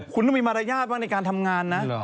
คุณต้องมีมารยาทบ้างในการทำงานนะ